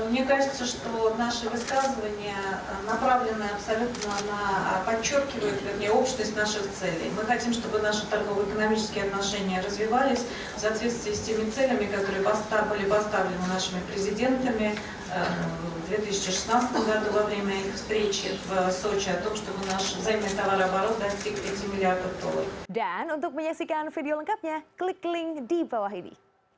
dan untuk menyaksikan video lengkapnya klik link di bawah ini